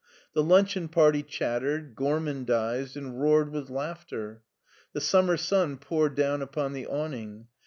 The luncheon party chattered, gormandized, and roared with laughter. The summer sun poured down upon the awning.